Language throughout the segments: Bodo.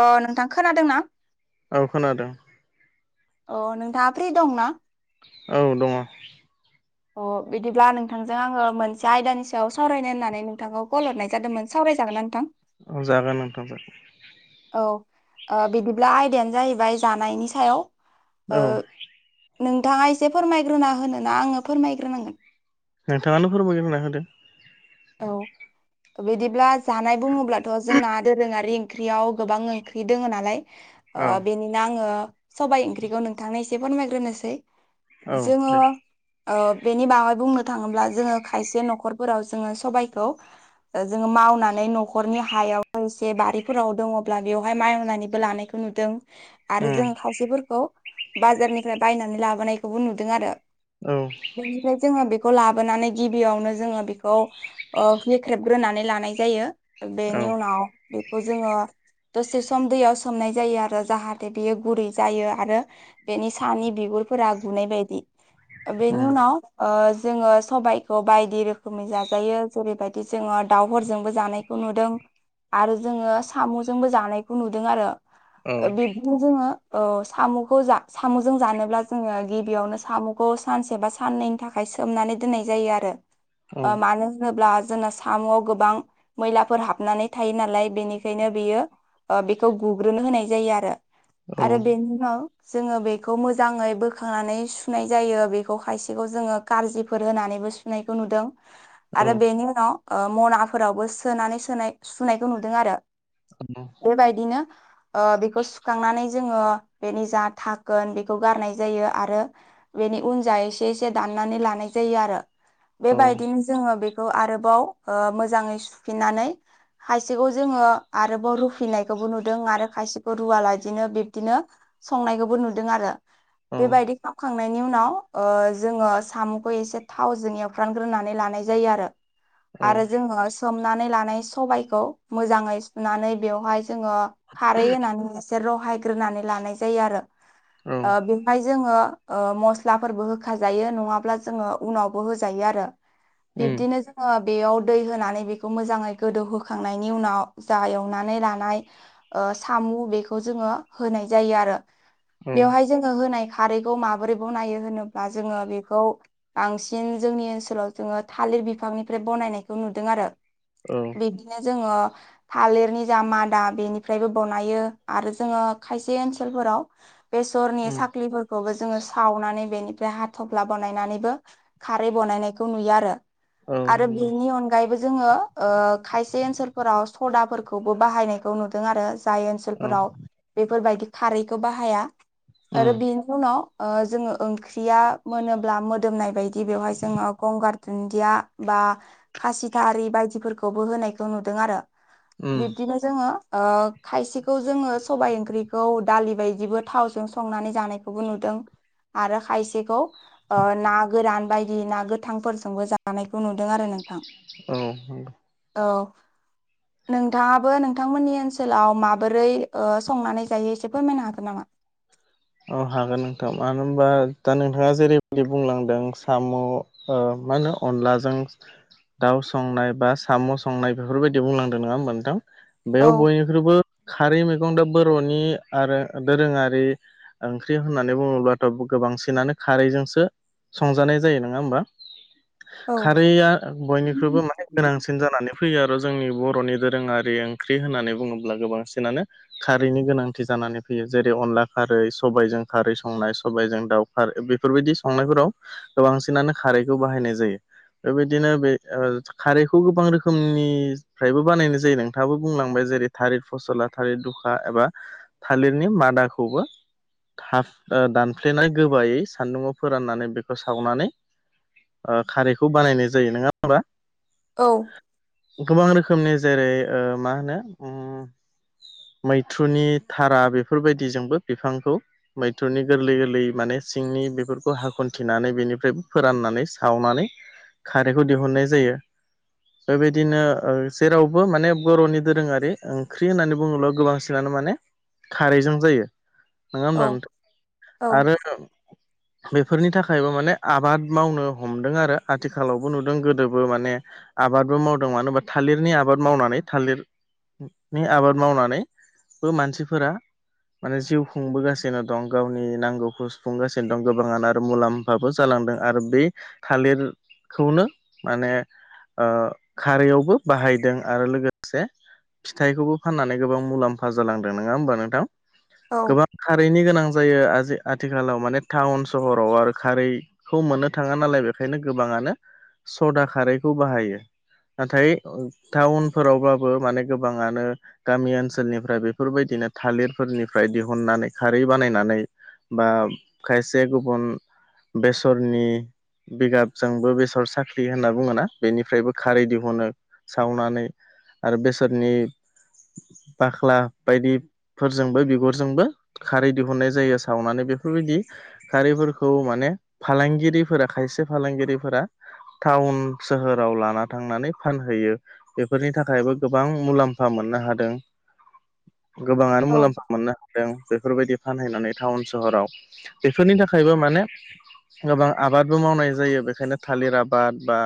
अ नोंथां खोनादों ना? औ खोनादों। अ नोंथाङा फ्रि दं ना? औ दङ। अ बिदिब्ला नोंथांजों आङो मोनसे आयदानि सायाव सावरायनो होननानै नोंथांखौ कल हरनाय जादोमोन। सावरायजागोन ना नोंथां? औ जागोन नोंथां जा औ ओ बिदिब्ला आयदायानो जाहैबाय जानायनि सायाव ओ औ नोंथाङा एसे फोरमायग्रोना होनो ना आंङो फोरमायग्रोनांगोन? नोंथाङानो फोरमाय गोरना होदो। औ बिदिब्ला जानाय बुंङोब्लाथ' जोंना दोरोङारि ओंख्रियाव गोबां ओंख्रि दोङो नालाय ओ औ बेनिनो आङो सबाय ओंख्रिखौ नोंथांनो एसे फोरमायग्रोनोसै औ जोङो दे ओ बेनि बागै बुंनो थाङोब्ला जोङो खायसे न'खरफोराव जोङो सबायखौ ओ जोङो मावनानै न'खरनि हायाव एसे बारिफोराव दङब्ला बेवहाय मावनानैबो लानायखो ओ नुदों। आरो उम जों खायसेफोरखौ बाजारनिफ्राय बायनानै लाबोनायखौबो नुदों आरो औ निफ्राय जोंङो बेखौ लाबोनानै गिबियावनो जोंङो खौ ओ हेख्रेबग्रोनानै लानाय जायो औ बेनि उनाव बेखौ जोङो दसे सम दैयाव सोमनाय जायो आरो जाहाथे बियो गुरै जायो आरो बेनि सानि बिगुरफोरा गुनाय बायदि ओ बेनि उम उनाव ओ जोङो सबाइखौ बायदि रोख रोखोमै जाजायो जेरैबायदि जोङो दाावफोरजोंबो जानायखौ नुदों। आरो जोङो सामुजोंबो जानायखौ नुदों आरो औ ओ बिब खौ जोङो औ सामुखौ सामुजों जानोब्ला जोङो गिबियावनो साम खौ सानसे बा साननैनि थाखाय सनानै दोननाय जायो आरो औ ओ मानो होनोब्ला जोंना सा सामुआव गोबां मैलाफोर हाबनानै थायो नालाय बेनिखायनो बियो बेखौ गुग्रोनो होनाय जायो आरो औ आरो बेनि उनाव जोंङो बेखौ मोजाङै बोखांनानै सुनाय जायो बेखौ खायसेखौ जोंङो खारजिफोर होनानैबो सुनाय खौ नुदों आरो बेनि उनाव ओ मनाफोरावबो सोनानै सोनाय सुनायखौ नुदों आरो [unintelligible] बेबायदिनो ओ बेखौ सुखांनानै जोङो बेनि जा थाखोन बेखौ गारनाय जायो आरो बेनि उनजों एसे एसे दाननानै लानाय जायो आरो। औ बेबायदिनो जोङो बेखौ आरोबाव मोजाङै सुफिननानै खायसेखौ जोङो आरोबाव रुफिननायखौबो नुदों आरो खायसेखौ रुवालादिनो बिब्दिनो संनायखौबो नुदों आरो। बेबायदि खाबखांनायनि उनाव जोङो साम'खौ एसे थावजों एव फ्रानग्रोनानै लानाय जायो आरो। आरो जोङो सोमनानै लानाय सबबायखौ मोजाङै सुनानै बेवहाय जोङो खारै होनानै एसे रहायग्रोनानै लानाय जायो आरो। औ बेवहाय जोङो मस्लाफोरबो होखा जायो नङाब्ला जोङो उनावबो हो जायो आरो, उम बिब्दिनो जोंङो बेयाव दै होनानै बेखौ मोजाङै गोदौहोखांनायनि उनाव जा एवनानै लानाय ओ सामु' बेखौ जोङो होनाय जायो आरो। औ बेवहाय जोङो होनाय खारैखौ माबोरै ब नायो होनोब्ला जोङो बेखौ बांसिन जोंनि ओनसोलाव जोङो थालिर बिफांनिफ्राय बनायनायखौ नुदों आरो। औ। बिदिनो जोङो थालिरनि जा मादा बेनिफ्रायबो बनायो आरो जोङो खायसे ओनसोलफोराव बेसरनि उम साख्लिफोरखौबो जोङो सावनानै बेनिफ्राय हाथफ्ला बानायनानैबो खारै बानायनायखौ नुयो आरो। औ आरो नंगौ बेनि अन बायबो जोङो ओ खायसे ओनसोलफोराव सदाफोरखौबो बाहायनायखौ नुदों आरो जाय ओनसोल फोराव बेफोरबायदि खारैखौ बाहाया। आरो बेनि उनाव ओ जोङो ओंख्रिया मोनोब्ला मोदोमनाय बायदि गिबियावहाय जोङो गंगार दुन्दिया बा खासिथारि बायदिफोरखौबो होनायखौ नुदों आरो। बिब्दिनो जोङो ओ खायसेखौ जोङो सबायाइ ओंख्रिखौ दालि बायदिबो थावजों संनानै जानायखौबो नुदों। आरो खायसेखौ ना गोरान बायदि ना गोथांफोरजोंबो जानायखौ नुदों आरो नोंथां। औ नंगौ। औ। नोंथाङाबो नोंथांमोननि ओनसोलाव माबोरै ओ संनानै जायो एसे फोरमायनो हागोन नामा। औ हागोन नोंथां मानो होनबा दा नोंथाङा जेरैबायदि बुंलांदों साम' ओ मा होनो अनलाजों दाउ संनाय बा साम' संनाय बेफोरबायदि बुंलांदों नङा होमबा नोंथां औ बेयाव बयनिख्रुइबो खारै मैगं दा बर'नि आरो दोरोङारि ओंख्रि होननानै बुङोब्लाथ' गोबांसिनानो खारैजोंसो संजानाय जायो नङा होमबा। औ खारैआ बयनिख्रुइबो माने गोनांसिन जानानै फैयो आरो' जोंनि बर'नि दोरोङारि ओंख्रि होननानै बुङोब्ला गोबांसिनानो खारैनि गोनांथि जानानै फैयो जेरै अनला खारै, सबायाइजों खारै संनाय सबाइजों दाउ खार बेफोरबायदि संनायफोराव गोबांसिनानो खारैखौ बाहायनाय जायो बेबायदिनो बे--ओ खारैखौ गोबां रोखोमनिफ्रायबो बानायनाय जायो नोंथाङाबो बुंलांबाय जेरै थालिर फसला थालिर दुखा एबा थालिरनि मादाखौबो थाब ओ दानफ्लेनाय गोबायायै सान्दुंङाव फोराननानै बेखौ सावनानै खारैखौ बानायनाय जायो नङा होमबा! औ। गोबां रोखोमनि जेरै ओ मा होनो उम मैथ्रुनि थारा बेफोर बायदिजोंबो बिफांखौ मैथुनि गोरलै गोरलै माने सिंनि बेफोरखौ हाखनथिनानै बेनिफ्रायबो फोराननानै सावनानै खारैखौ दिहुननाय जायो। बेबायदिनो जेरावबो माने बरनि दोरोंङारि ओंख्रि होननानै बुङोब्ला गोबांसिन नो माने खारैजों जायो, नंङा औ होनबा नोंथां! आरो [inaudible] बेफोरनि थाखायबो माने आबाद मावनो हमदों आरो आथिखालावबो नुदों गोदोबो माने आबादबो मावदों मानो होनबा थालिरनि आबाद मावनानै थालिर नि आबाद मावनानैबो मानसिफोरा माने जिउ सुफुंबोगासिनो दं गावनि नांगौखौ सुफुंगासिनो दं गोबांङानो आरो मुलाम्फाबो जालांदों आरो बे थालिरखौनो माने ओ खारैयावबो बाहायदों आरो लोगोसे फिथाइखौबो फाननानै गोबां मुलाम्फा जालांदों नंङा होमबा नोंथां औ गोबां खारैनि गोनां जायो। आ आथिखालाव माने टाउन सहराव आरो खारै खौ मोननो थांङा नालाय बेखायनो गोबांङानो सदा खारैखौ बाहायो नाथाय टाउन फोरावबाबो माने गोबांङानो गामि ओनसोलनिफ्राय बेफोरबायदिनो थालिर फोरनिफ्राय दिहुननानै खारै बानायनानै बा खायसे गुबुन बेसरनि बिगाब जोंबो बेसर साखलि होनना बुंङोना, बेनिफ्रायबो खारै दिहुनो सावनानै आरो बेसरनि बाख्ला बायदि फोरजोंबो बिगुरजोंबो खारै दिहुन्नाय जायो सावनानै बेफोर बायदि खारिफोरखौ माने फालांगिरिफोरा खायसे फालांगिरिफोरा टाउन सोहोराव लाना थांनानै फानहैयो बेफोरनि थाखायबो गोबां मुलाम्फा मोननो हादों [inaudible] गोबांङानो औ मुलाम्फा मोननो हादों बेफोर बायदि फानहैनानै टाउन सहराव बेफोरनि थाखायबो माने गोबां आबादबो मावनाय जायो बेखायनो थालिर आबाद बा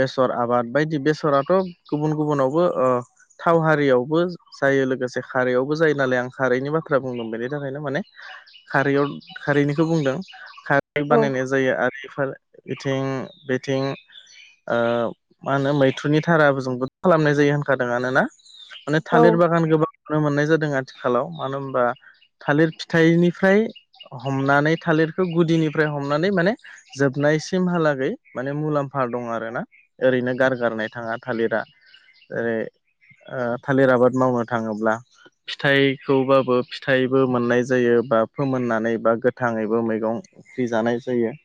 बेसर आबाद बायदि बेसराथ' गुबुन गुबुनावबो ओ थाव हारियावबो जायो लोगोसे खारैआवबो जायो नालाय आं खारैनि बाथ्रा बुंदों बे नि थाखाय माने खारै खारैनिखौ बुंदों खारै औ बानायनाय जायो आरो बेफोर बिथिं बिथिं मा होनो मैथुनि थारा जोंबो खालामनाय जायो होनखादों आरानोना माने औ थालिर बागान गोबां नुनो मोननाय जादों आथिखालाव। मानो होनबा थालिर फिथाइनिफ्राय हमनानै थालिरखौ गुदिनिफ्राय हमनानै माने जोबनाय सिमहालागै माने मुलाम्फा दं आरो ना ओरैनोष गारगारनाय थांङा थालिरा ओरै थालिर आबाद मावनो थांङोब्ला फिथाइ खौबाबो फिथाइ बो मोननाय जायो बा फोमोननानै बा गोथांङैबो मैगं ख्रि जानाय जायो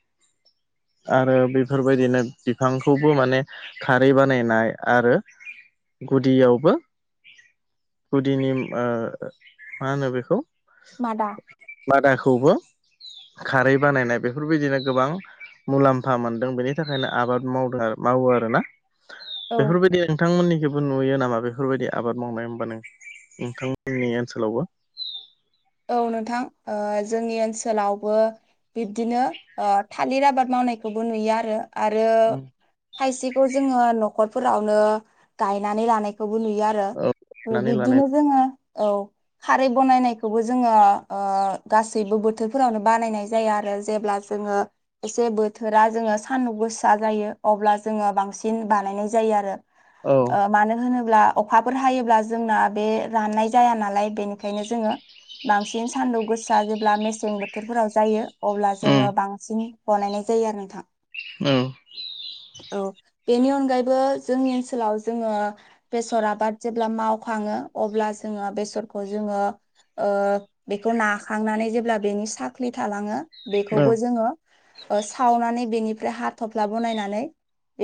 आरो बेफोर बायदिनो बिफांखौबो माने खारै बानायनाय आरो गुदियावबो गुदिनि ओ मा होनो बेखौ मादा मादाखौबो खारै बानायनाय बेफोरबायदिनो गोबां मुलाम्फा मोनदों बेनि थाखायनो आबाद मावदों मावो आरोना औ बेफोर बायदि नोंथां मोननिखौबो नुयो नामा बेफोरबायदि आबाद मावनाय होमबा नोंथांमोननि ओनसोलावबो औ नोंथां जोंनि ओनसोलावबो बिब्दिनो थालिर आबाद मावनायखौबो नुयो आरो आरो खायसेखौ जोङो नखरफोरावनो गायनानै लानायखौबो नुयो आरो औ नानै लानाय बिदिनो जोङो औ खारै बानायनाय खौबो जोङो गासैबो बोथोरफोरावनो बानायनाय जाया आरो जेब्ला जोङो एसे बोथोरा जोङो सानदुं गोसा जायो अब्ला जोङो बांसिन बानायनाय जायो आरो औ ओ मानो होनोब्ला अखाफोर हायोब्ला जोंना बे राननाय जाया नालाय बेनिखायनो जोङो बांसिन सानदुं गोसोआ जेब्ला मेसें बोथोरफोराव जायो अब्ला उम जोङो बांसिन बांसिन बानायनाय जायो आरो नोंथां औ औ बेनि अनगायैबो जोंनि ओनसोलाव जोङो बेसर आबाद जेब्ला मावखाङो अब्ला जोङो बेसरखौ जोङो बेखौ नाखांनानै जेब्ला बेनि साख्लि थालाङो औ बेखौबो जोङो सावनानै बेनिफ्राय हाथफ्ला बनायनानै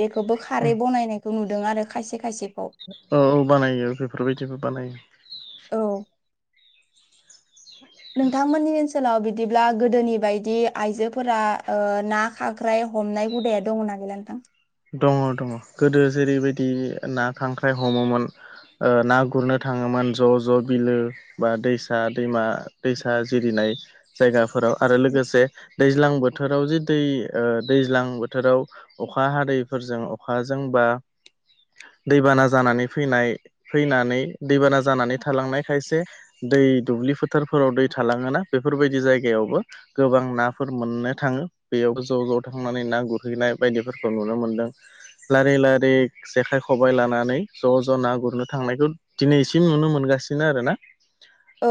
बेखौबो खारै बनायनाय नुदों आरो खायसे खायसेखौ औ औ बानायो बेफोरबायदिबो बानायो औ नोंथांमोननि ओनसोल ओनसोलाव बिदिब्ला गोदोनि बायदि आइजोफोरा ना, खांख्राय हमनाय हुदाया दङ' ना था [unintelligible] दङ' दङ' गोदो जेरैबायदि ना, खांख्राइ हमोमोन ना गुरनो थाङोमोन ज' ज' बिलो बा दैसा दैमा दैसा जिरिनाय जायगाफोराव आरो लोगोसे दैज्लां बोथोराव जे दै दैज्लां बोथोराव अखा हा दैफोरजों अखाजों बा दैबाना जानानै फैनाय फैनानै दैबाना जानानै थालांनाय खायसे दै दुब्लि फोथारफोराव दै थालाङोना बेफोरबायदि जायगायावबो गोबां नाफोर मोननो थाङो बेयाव ज' ज' थांनानै ना गुरहैनाय बायदिफोर खौ नुनो मोनदों लारि लारि जेखाइ खबाइ लानानै ज' ज' ना गुरनो थांनायखौ दिनैसिम नुनो मोनगासिनो आरो ना औ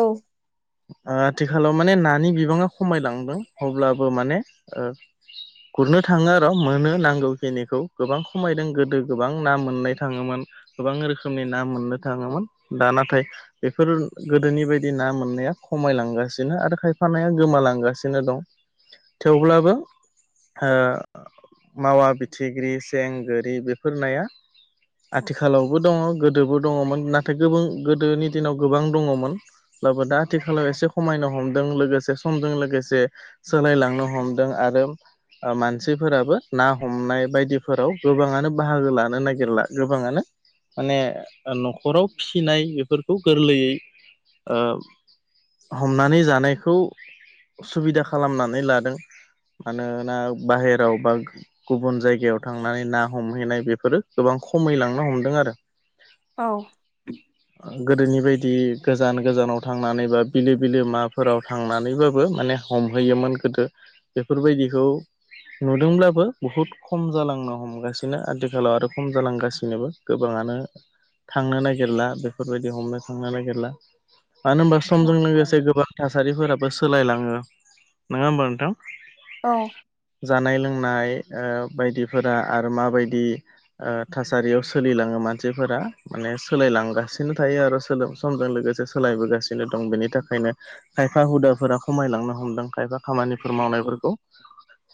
आथिखालाव माने नानि बिबाङा खमायलांदों अब्लाबो माने गुरनो थाङो आरो मोनो नांगो खिनिखौ गोबां खमायदों गोदो गोबां ना मोननाय थाङोमोन गोबां रोखोमनि ना मोननो थाङोमोन दा नाथाय बेफोर गोदोनि बायदि ना मोननाया खमायलांगासिनो आरो खायफा नाया गोमालांगासिनो दं थेवब्लाबो माववा फिथिग्रि, सें, गोरि बेफोर नाया आथिखालावबो दङ' गोदोबो दङ'मोन नाथाय गो गोदोनि दिनाव गोबां दङमोन बो दा आथिखालाव एसे समायनो हमदों लोगोसे समजों लोगोसे सोलायलांनो हमदों आरो मानसिफोराबो ना हमनाय बायदिफोराव गोबाङानो बाहागो लानो नागिरला गोबाङानो माने न'खराव फिसिनाय बेफोरखौ गोरलैयै हमनानै जानायखौ सुबिदा खालामनानै लादों मानोना बाहेराव बा गुबुन जायगायाव थांनानै ना हमहैनाय बेफोरो गोबां खमायलांनो हमदों आरो औ गोदोनि बायदि गोजान गोजानाव थांनानै बा बिलो बिलोमाफोराव थांनानैबाबो माने हमहैयोमोन गोदो बेफोरबायदिखौ नुदोंब्लाबो बुहुद खम जालांनो हमगासिनो आथिखालाव आरो खम जालांगासिनोबो गोबाङानो थांनो नागिरला बेफोरबायदि हमनो थांनो नागिरला मानो होनबा समजों लोगोसे गोबां थासारिफोराबो सोलायलाङो नङा होमबा नोंथां? औ। जानाय लोंनाय बायदिफोरा आरो माबायदि थासारियाव सोलिलाङो मानसिफोरा माने सोलायलांगासिनो थायो आरो समजों लोगोसे सोलायबोगासिनो दं बेनि थाखायनो खायफा हुदाफोरा खमायलांनो हमदों खायफा खामानिफोर मावनायफोरखौ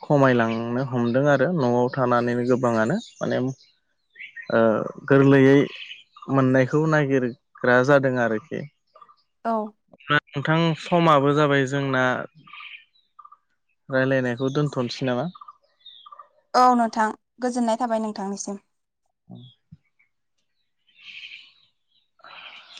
खमायलांनो हमदों आरो न'आव थानानैनो गोबाङानो माने गोरलैयै मोननायखौ नागिरग्रा जादों आरोखि औ नोंथां समाबो जाबाय जोंना राय्लायनायखौ दोनथ'नोसै नामा औ नोंथां गोजोननाय थाबाय नोंथांनिसिम औ [inaudible]